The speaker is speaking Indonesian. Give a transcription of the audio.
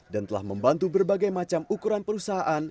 dan telah membantu berbagai macam ukuran perusahaan